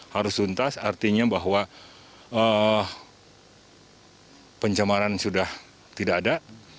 harus tuntas artinya bahwa pencemaran sudah tidak ada